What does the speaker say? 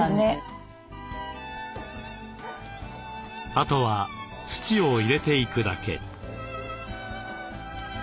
あとは土を入れていくだけ。